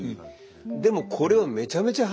でもこれはめちゃめちゃハッピーで。